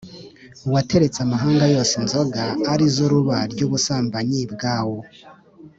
wateretse amahanga yose inzoga ari zo ruba ry’ubusambanyi bwawo.